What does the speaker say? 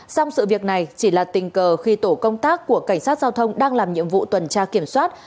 xong sự việc này chỉ là tình cờ khi tổ công tác của cảnh sát giao thông đang làm nhiệm vụ tuần tra kiểm soát